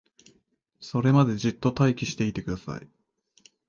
それまでじっと待機していてください